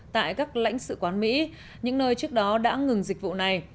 tại các lãnh sự quán mỹ những nơi trước đó đã ngừng dịch vụ này